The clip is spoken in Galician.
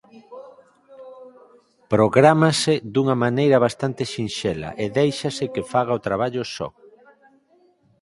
Prográmase dunha maneira bastante sinxela e déixase que faga o traballo só.